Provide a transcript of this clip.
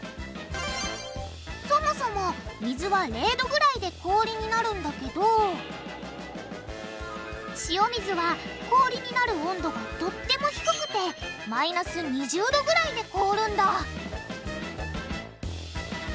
そもそも水は０℃ぐらいで氷になるんだけど塩水は氷になる温度がとっても低くてマイナス２０℃ぐらいで凍るんだ！